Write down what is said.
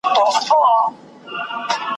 جهاني تر کندهاره چي رانه سې`